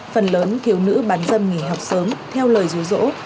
phần lớn khiếu nữ bán dâm nghỉ học sớm theo lời dù dỗ